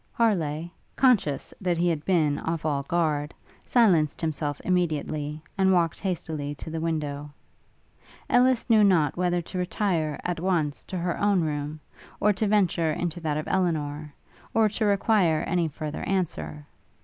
Harleigh, conscious that he had been off all guard, silenced himself immediately, and walked hastily to the window. Ellis knew not whether to retire, at once, to her own room; or to venture into that of Elinor; or to require any further answer.